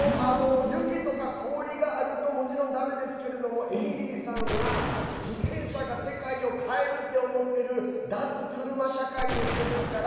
雪とか氷があるともちろんだめですけれどもエミリーさんは自転車が世界を変えるって思ってる脱車社会の人ですから。